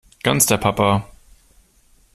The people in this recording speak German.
Ganz der Papa!